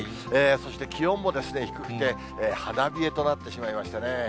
そして気温も低くて、花冷えとなってしまいましたね。